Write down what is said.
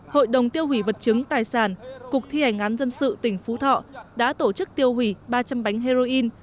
hội đồng tiêu hủy vật chứng tài sản cục thi hành án dân sự tỉnh phú thọ đã tổ chức tiêu hủy ba trăm linh bánh heroin